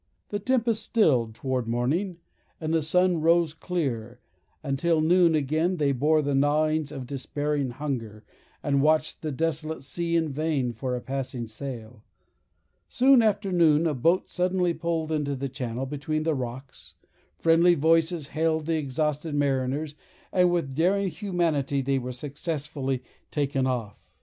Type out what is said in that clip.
The tempest stilled toward morning, and the sun rose clear, and till noon again they bore the gnawings of despairing hunger, and watched the desolate sea in vain for a passing sail. Soon after noon a boat suddenly pulled into the channel between the rocks, friendly voices hailed the exhausted mariners, and with daring humanity they were successfully taken off.